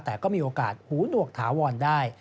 แต่ก็มีโอกาสหูหนวกถาวรได้